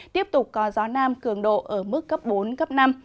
tiếp tục có gió nam cường độ ở mức cấp bốn cấp năm